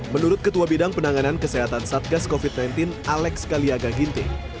menurut ketua bidang penanganan kesehatan satgas covid sembilan belas alex kaliaga ginting